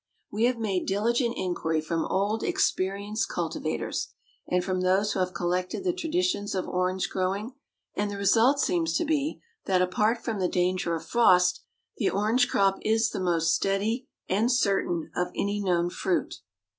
We have made diligent inquiry from old, experienced cultivators, and from those who have collected the traditions of orange growing; and the result seems to be, that, apart from the danger of frost, the orange crop is the most steady and certain of any known fruit.